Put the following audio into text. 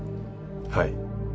はい。